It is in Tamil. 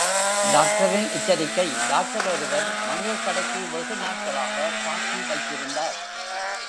டாக்டரின் எச்சரிக்கை டாக்டர் ஒருவர், மளிகைக் கடைக்கு வெகு நாட்களாக பாக்கி வைத்திருந்தார்.